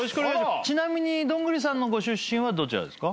ちなみにどんぐりさんのご出身はどちらですか？